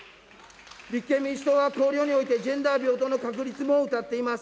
立憲民主党は綱領において、ジェンダー平等の確立もうたっています。